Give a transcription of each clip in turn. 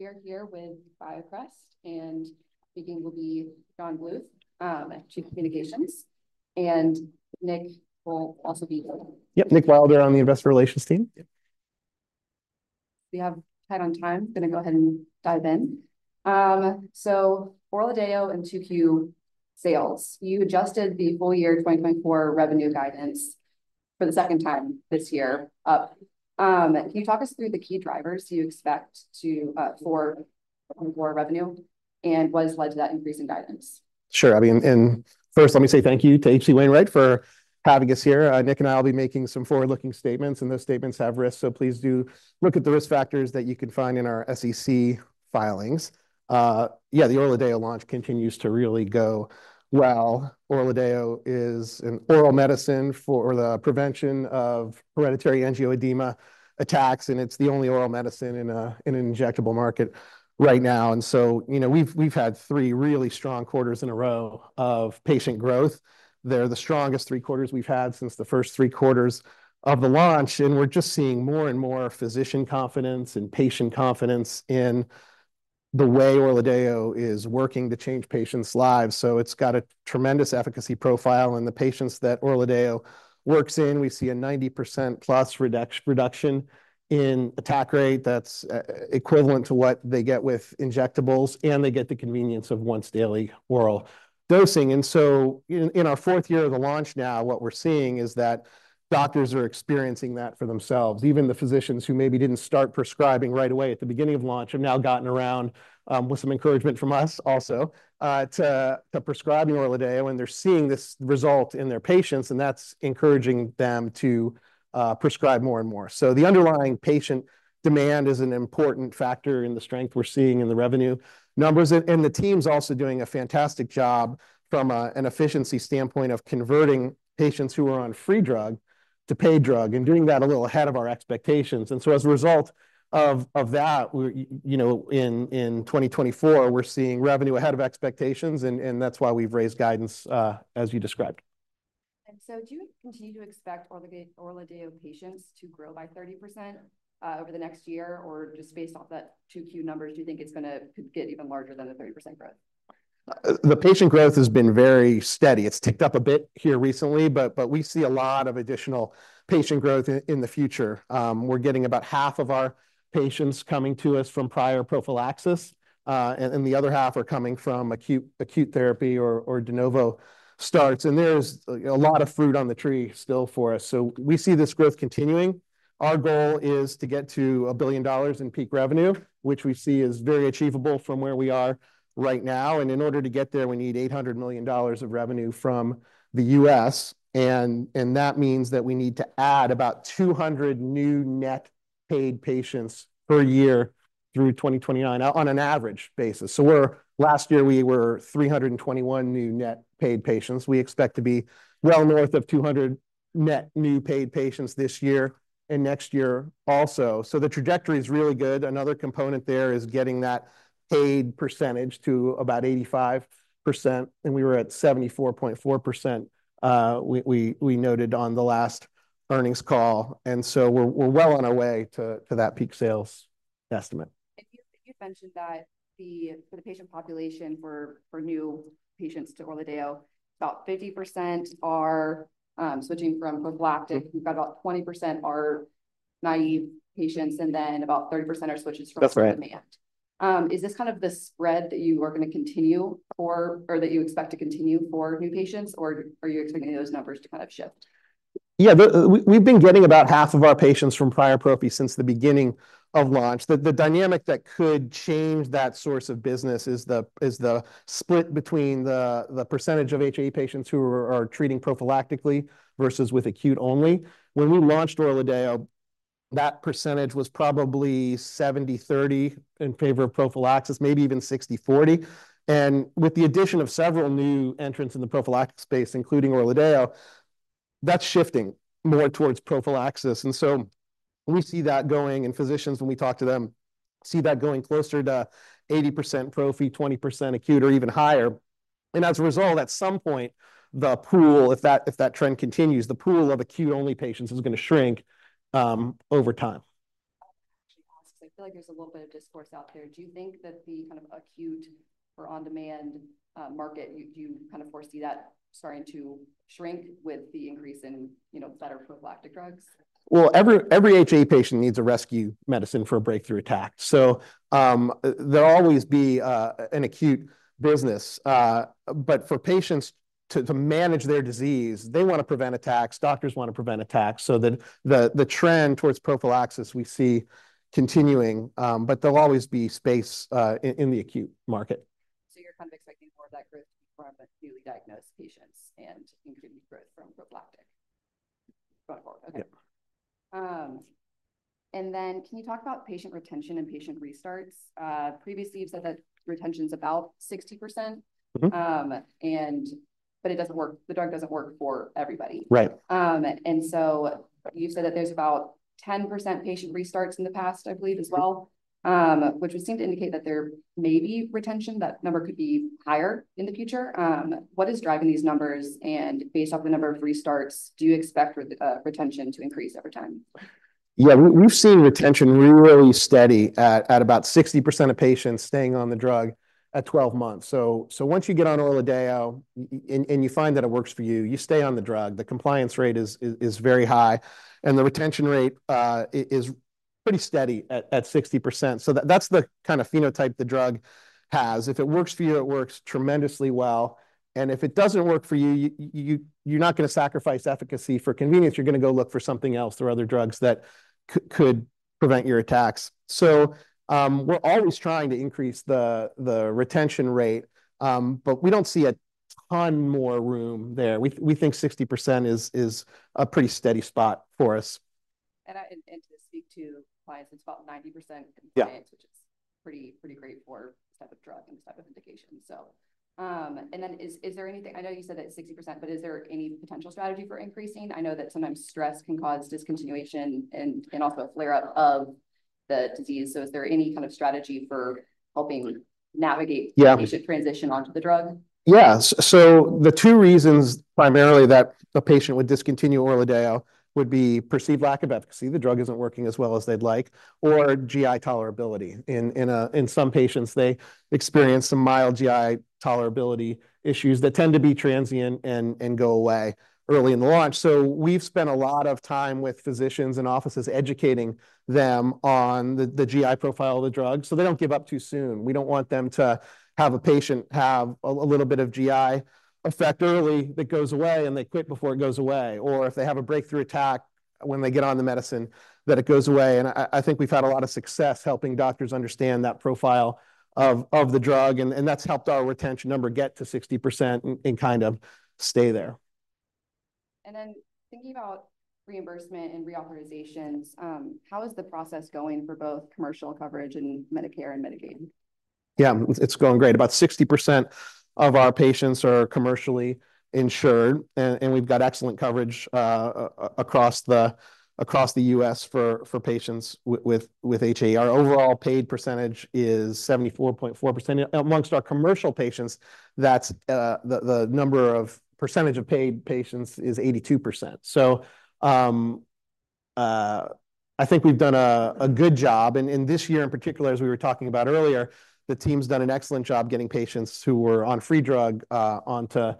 We are here with BioCryst, and speaking will be John Bluth, Chief Communications, and Nick will also be here. Yep, Nick Wilder on the Investor Relations team. We're right on time. Gonna go ahead and dive in. So ORLADEYO and 2Q sales, you adjted the full year 2024 revenue guidance for the second time this year. Can you talk us through the key drivers you expect to for 2024 revenue, and what has led to that increase in guidance? Sure, I mean, and first, let me say thank you to H.C. Wainwright for having us here. Nick and I will be making some forward-looking statements, and those statements have risks, so please do look at the risk factors that you can find in our SEC filings. Yeah, the ORLADEYO launch continues to really go well. ORLADEYO is an oral medicine for the prevention of hereditary angioedema attacks, and it's the only oral medicine in an injectable market right now. And so, you know, we've had three really strong quarters in a row of patient growth. They're the strongest three quarters we've had since the first three quarters of the launch, and we're just seeing more and more physician confidence and patient confidence in the way ORLADEYO is working to change patients' lives. So it's got a tremendous efficacy profile. In the patients that ORLADEYO works in, we see a 90%+ reduction in attack rate that's equivalent to what they get with injectables, and they get the convenience of once-daily oral dosing. And so in our fourth year of the launch now, what we're seeing is that doctors are experiencing that for themselves. Even the physicians who maybe didn't start prescribing right away at the beginning of launch have now gotten around with some encouragement from us also to prescribing ORLADEYO when they're seeing this result in their patients, and that's encouraging them to prescribe more and more. So the underlying patient demand is an important factor in the strength we're seeing in the revenue numbers. The team's also doing a fantastic job from an efficiency standpoint of converting patients who are on free drug to paid drug, and doing that a little ahead of our expectations. So as a result of that, we're, you know, in 2024, we're seeing revenue ahead of expectations, and that's why we've raised guidance, as you described. Do you continue to expect ORLADEYO patients to grow by 30% over the next year? Or just based off that 2Q numbers, do you think it could get even larger than a 30% growth? The patient growth has been very steady. It's ticked up a bit here recently, but we see a lot of additional patient growth in the future. We're getting about half of our patients coming to us from prior prophylaxis, and the other half are coming from acute therapy or de novo starts, and there's a lot of fruit on the tree still for us. So we see this growth continuing. Our goal is to get to $1 billion in peak revenue, which we see is very achievable from where we are right now. And in order to get there, we need $800 million of revenue from the U.S., and that means that we need to add about 200 new net paid patients per year through 2029 on an average basis. So we're last year, we were 321 new net paid patients. We expect to be well north of 200 net new paid patients this year and next year also. So the trajectory is really good. Another component there is getting that paid percentage to about 85%, and we were at 74.4%, we noted on the last earnings call, and so we're well on our way to that peak sales estimate. And you mentioned that for the patient population for new patients to ORLADEYO, about 50% are switching from prophylactic. We've got about 20% are naive patients, and then about 30% are switches from- That's right. - on demand. Is this kind of the spread that you are gonna continue for, or that you expect to continue for new patients, or are you expecting those numbers to kind of shift? Yeah. We've been getting about half of our patients from prior prophy since the beginning of launch. The dynamic that could change that source of business is the split between the percentage of HAE patients who are treating prophylactically versus with acute only. When we launched ORLADEYO, that percentage was probably 70/30 in favor of prophylaxis, maybe even 60/40. And with the addition of several new entrants in the prophylactic space, including ORLADEYO, that's shifting more towards prophylaxis. And so we see that going, and physicians, when we talk to them, see that going closer to 80% prophy, 20% acute, or even higher. And as a result, at some point, if that trend continues, the pool of acute-only patients is gonna shrink over time. I feel like there's a little bit of discourse out there. Do you think that the kind of acute or on-demand market, you kind of foresee that starting to shrink with the increase in, you know, better prophylactic drugs? Every HAE patient needs a rescue medicine for a breakthrough attack, so there'll always be an acute business. But for patients to manage their disease, they want to prevent attacks, doctors want to prevent attacks, so the trend towards prophylaxis we see continuing, but there'll always be space in the acute market. So you're kind of expecting more of that growth to be from newly diagnosed patients and increased growth from prophylactic going forward? Yep. Okay, and then can you talk about patient retention and patient restarts? Previously, you've said that retention's about 60%. Mm-hmm. It doesn't work, the drug doesn't work for everybody. Right. And so you said that there's about 10% patient restarts in the past, I believe, as well- Right... which would seem to indicate that there may be retention, that number could be higher in the future. What is driving these numbers? And based off the number of restarts, do you expect retention to increase over time?... Yeah, we've seen retention really steady at about 60% of patients staying on the drug at 12 months. So once you get on ORLADEYO, and you find that it works for you, you stay on the drug. The compliance rate is very high, and the retention rate is pretty steady at 60%. So that's the kind of phenotype the drug has. If it works for you, it works tremendously well, and if it doesn't work for you, you're not going to sacrifice efficacy for convenience. You're going to go look for something else. There are other drugs that could prevent your attacks. So we're always trying to increase the retention rate, but we don't see a ton more room there. We think 60% is a pretty steady spot for us. to speak to clients, it's about 90% compliance. Yeah. - which is pretty, pretty great for this type of drug and this type of indication. So, and then is there anything... I know you said that 60%, but is there any potential strategy for increasing? I know that sometimes stress can cause discontinuation and also a flare-up of the disease. So is there any kind of strategy for helping navigate- Yeah. The patient transition onto the drug? Yeah. So the two reasons, primarily, that a patient would discontinue ORLADEYO would be perceived lack of efficacy, the drug isn't working as well as they'd like, or GI tolerability. In some patients, they experience some mild GI tolerability issues that tend to be transient and go away early in the launch. So we've spent a lot of time with physicians and offices, educating them on the GI profile of the drug, so they don't give up too soon. We don't want them to have a patient have a little bit of GI effect early that goes away, and they quit before it goes away. Or if they have a breakthrough attack when they get on the medicine, that it goes away. I think we've had a lot of success helping doctors understand that profile of the drug, and that's helped our retention number get to 60% and kind of stay there. Thinking about reimbursement and reauthorizations, how is the process going for both commercial coverage and Medicare and Medicaid? Yeah, it's going great. About 60% of our patients are commercially insured, and we've got excellent coverage across the U.S. for patients with HAE. Our overall paid percentage is 74.4%. Among our commercial patients, that's the percentage of paid patients is 82%. So, I think we've done a good job, and this year, in particular, as we were talking about earlier, the team's done an excellent job getting patients who were on free drug onto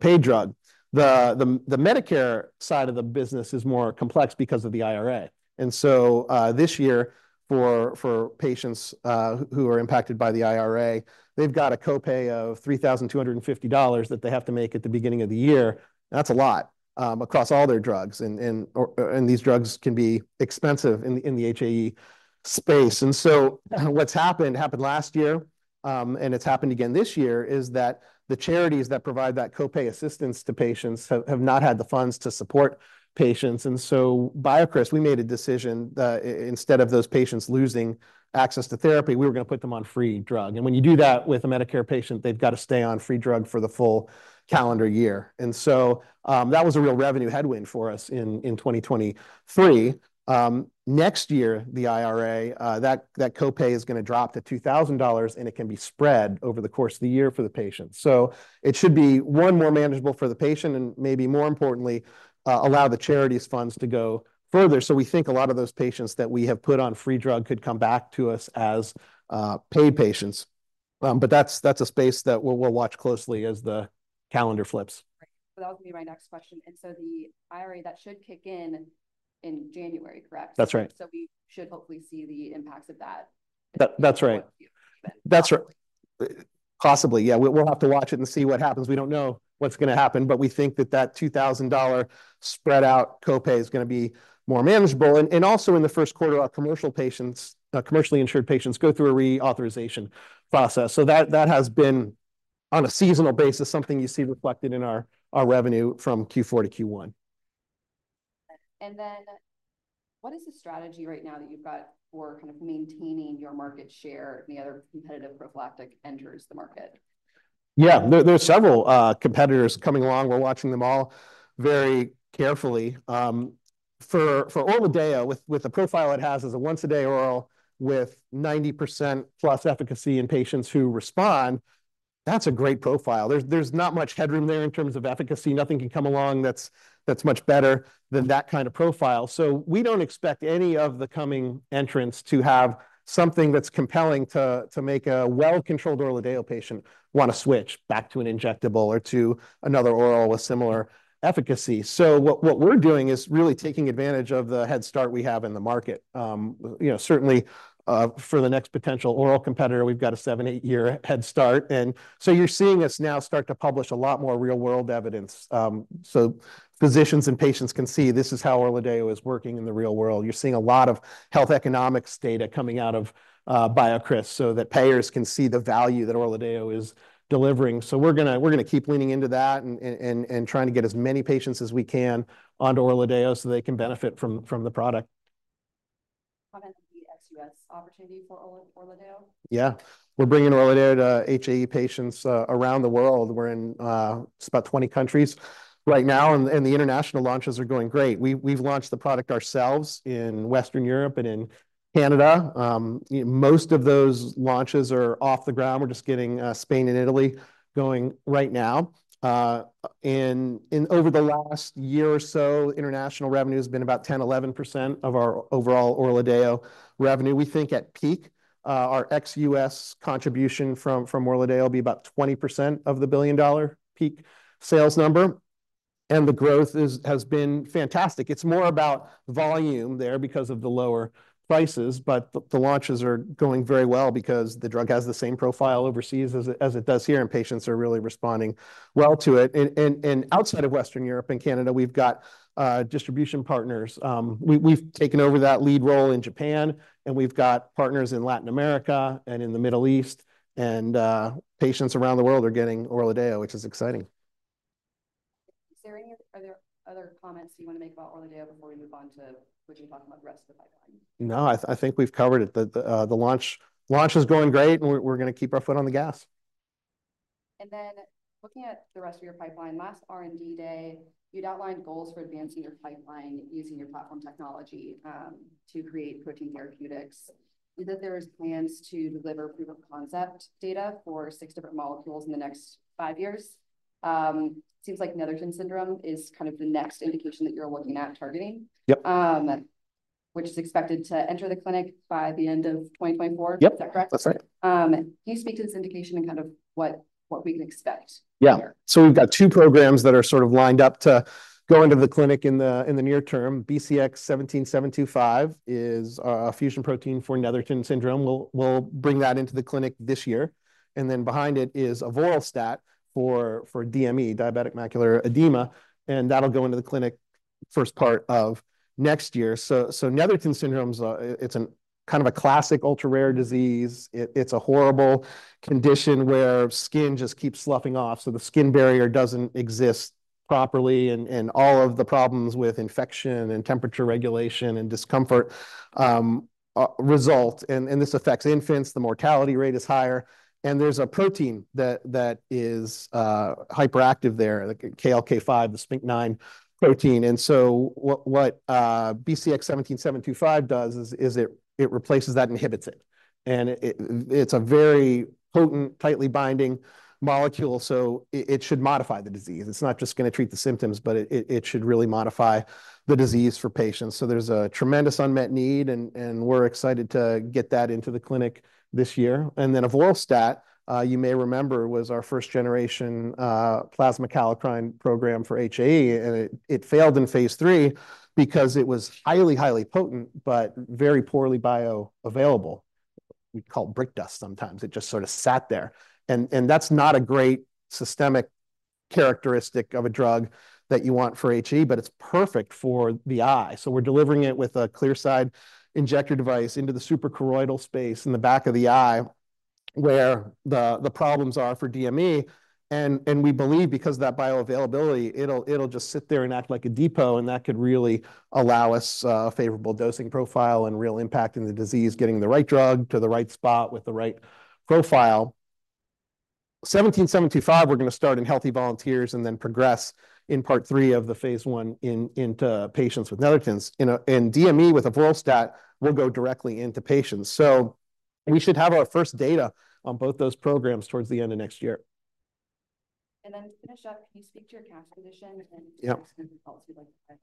paid drug. The Medicare side of the business is more complex because of the IRA. And so, this year, for patients who are impacted by the IRA, they've got a co-pay of $3,250 that they have to make at the beginning of the year. That's a lot, across all their drugs, and these drugs can be expensive in the HAE space. And so what's happened last year, and it's happened again this year, is that the charities that provide that co-pay assistance to patients have not had the funds to support patients. And so BioCryst, we made a decision that instead of those patients losing access to therapy, we were going to put them on free drug. And when you do that with a Medicare patient, they've got to stay on free drug for the full calendar year. And so, that was a real revenue headwind for us in 2023. Next year, the IRA, that copay is going to drop to $2,000, and it can be spread over the course of the year for the patient. So it should be more manageable for the patient, and maybe more importantly, allow the charity's funds to go further. So we think a lot of those patients that we have put on free drug could come back to us as paid patients. But that's a space that we'll watch closely as the calendar flips. Right. So that was going to be my next question. And so the IRA, that should kick in, in January, correct? That's right. We should hopefully see the impacts of that. That, that's right. That's right. Possibly, yeah. We'll, we'll have to watch it and see what happens. We don't know what's going to happen, but we think that that $2,000 spread out co-pay is going to be more manageable. And, and also in the first quarter, our commercial patients, commercially insured patients go through a reauthorization process. So that, that has been, on a seasonal basis, something you see reflected in our, our revenue from Q4 to Q1. And then what is the strategy right now that you've got for kind of maintaining your market share if any other competitive prophylactic enters the market? Yeah. There are several competitors coming along. We're watching them all very carefully. For ORLADEYO, with the profile it has as a once-a-day oral with 90%+ efficacy in patients who respond, that's a great profile. There's not much headroom there in terms of efficacy. Nothing can come along that's much better than that kind of profile. So we don't expect any of the coming entrants to have something that's compelling to make a well-controlled ORLADEYO patient want to switch back to an injectable or to another oral with similar efficacy. So what we're doing is really taking advantage of the head start we have in the market. You know, certainly, for the next potential oral competitor, we've got a seven- to eight-year head start. And so you're seeing us now start to publish a lot more real-world evidence. So physicians and patients can see this is how ORLADEYO is working in the real world. You're seeing a lot of health economics data coming out of BioCryst so that payers can see the value that ORLADEYO is delivering. So we're gonna keep leaning into that and trying to get as many patients as we can onto ORLADEYO so they can benefit from the product. How about the ex-U.S. opportunity for ORLADEYO? Yeah. We're bringing ORLADEYO to HAE patients around the world. We're in about 20 countries right now, and the international launches are going great. We've launched the product ourselves in Western Europe and in Canada. Most of those launches are off the ground. We're just getting Spain and Italy going right now. And over the last year or so, international revenue has been about 10%-11% of our overall ORLADEYO revenue. We think at peak, our ex-U.S. contribution from ORLADEYO will be about 20% of the billion-dollar peak sales number. The growth has been fantastic. It's more about volume there because of the lower prices, but the launches are going very well because the drug has the same profile overseas as it does here, and patients are really responding well to it. Outside of Western Europe and Canada, we've got distribution partners. We've taken over that lead role in Japan, and we've got partners in Latin America and in the Middle East. Patients around the world are getting ORLADEYO, which is exciting. Are there other comments you want to make about ORLADEYO before we move on to, would you talk about the rest of the pipeline? No, I think we've covered it. The launch is going great, and we're gonna keep our foot on the gas. And then, looking at the rest of your pipeline, last R&D day, you'd outlined goals for advancing your pipeline using your platform technology, to create protein therapeutics. You said there was plans to deliver proof-of-concept data for six different molecules in the next five years. Seems like Netherton syndrome is kind of the next indication that you're looking at targeting- Yep. which is expected to enter the clinic by the end of 2024. Yep. Is that correct? That's right. Can you speak to this indication and kind of what we can expect here? Yeah. So we've got two programs that are sort of lined up to go into the clinic in the near term. BCX17725 is a fusion protein for Netherton syndrome. We'll bring that into the clinic this year, and then behind it is avoralstat for DME, diabetic macular edema, and that'll go into the clinic first part of next year. So Netherton syndrome's a. It is a kind of a classic ultra-rare disease. It is a horrible condition where skin just keeps sloughing off, so the skin barrier doesn't exist properly, and all of the problems with infection and temperature regulation and discomfort result. And this affects infants. The mortality rate is higher, and there's a protein that is hyperactive there, like KLK5, the SPINK9 protein. And so, what BCX17725 does is it replaces that, inhibits it, and it's a very potent, tightly binding molecule, so it should modify the disease. It's not just gonna treat the symptoms, but it should really modify the disease for patients. So there's a tremendous unmet need, and we're excited to get that into the clinic this year. And then avoralstat, you may remember, was our first-generation plasma kallikrein program for HAE, and it failed in phase III because it was highly potent but very poorly bioavailable. We'd call it brick dust sometimes. It just sort of sat there, and that's not a great systemic characteristic of a drug that you want for HAE, but it's perfect for the eye. So we're delivering it with a Clearside injector device into the suprachoroidal space in the back of the eye, where the problems are for DME, and we believe, because of that bioavailability, it'll just sit there and act like a depot, and that could really allow us a favorable dosing profile and real impact in the disease, getting the right drug to the right spot with the right profile. BCX17725, we're gonna start in healthy volunteers and then progress in part three of the phase I into patients with Netherton. You know, and DME with avoralstat will go directly into patients. So we should have our first data on both those programs towards the end of next year. And then to finish up, can you speak to your cash position? Yep. And your path to profitability?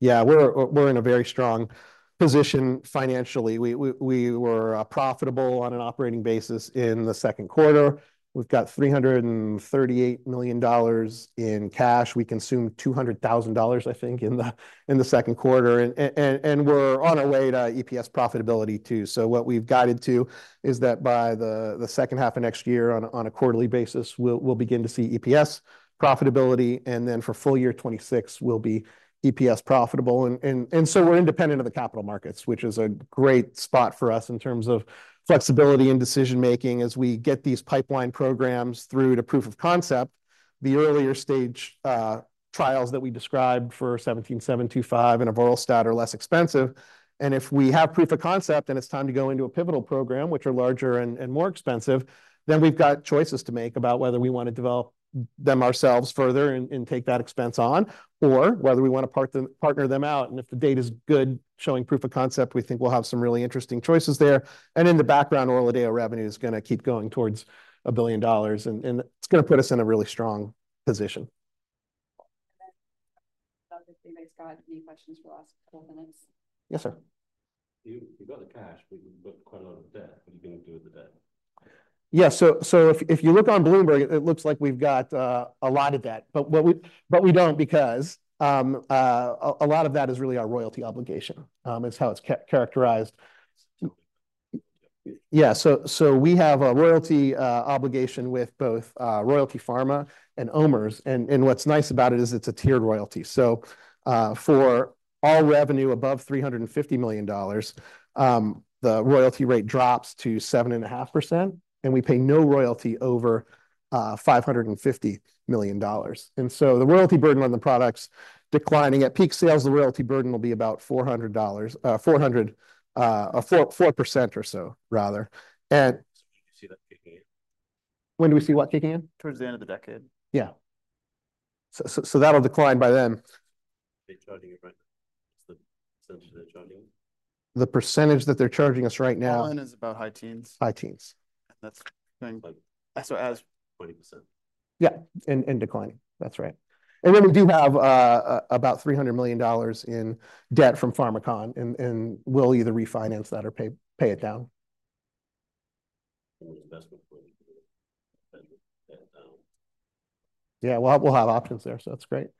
Yeah, we're in a very strong position financially. We were profitable on an operating basis in the second quarter. We've got $338 million in cash. We consumed $200,000, I think, in the second quarter, and we're on our way to EPS profitability too. So what we've guided to is that by the second half of next year, on a quarterly basis, we'll begin to see EPS profitability, and then for full year 2026, we'll be EPS profitable. And so we're independent of the capital markets, which is a great spot for us in terms of flexibility and decision making as we get these pipeline programs through to proof of concept. The earlier stage trials that we described for BCX17725 and avoralstat are less expensive, and if we have proof of concept and it's time to go into a pivotal program, which are larger and more expensive, then we've got choices to make about whether we want to develop them ourselves further and take that expense on, or whether we want to partner them out. If the data's good, showing proof of concept, we think we'll have some really interesting choices there. In the background, ORLADEYO revenue is gonna keep going towards $1 billion, and it's gonna put us in a really strong position. And then, if anybody's got any questions for the last couple of minutes. Yes, sir. You got the cash, but you've got quite a lot of debt. What are you gonna do with the debt? Yeah. So if you look on Bloomberg, it looks like we've got a lot of debt, but we don't because a lot of that is really our royalty obligation, is how it's characterized. Yeah. Yeah, so we have a royalty obligation with both Royalty Pharma and OMERS, and what's nice about it is it's a tiered royalty. So, for all revenue above $350 million, the royalty rate drops to 7.5%, and we pay no royalty over $550 million. And so the royalty burden on the products declining. At peak sales, the royalty burden will be about 4% or so, rather. And When do you see that kicking in? When do we see what kicking in? Toward the end of the decade. Yeah. So, that'll decline by then. They're charging you right now. What's the percentage they're charging you? The percentage that they're charging us right now- Online is about high teens. High teens. And that's going 20%. Yeah, and declining. That's right. And then we do have about $300 million in debt from Pharmakon, and we'll either refinance that or pay it down. The best point to do it. Yeah, well, we'll have options there, so that's great. Thanks.